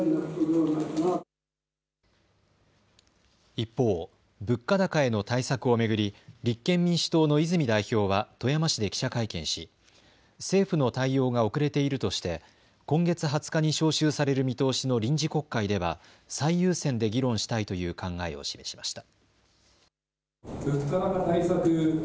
一方、物価高への対策を巡り立憲民主党の泉代表は富山市で記者会見し政府の対応が遅れているとして今月２０日に召集される見通しの臨時国会では最優先で議論したいという考えを示しました。